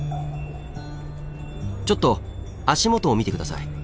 ちょっと足元を見て下さい。